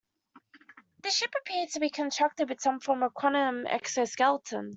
The ship appeared to be constructed with some form of chromium exoskeleton.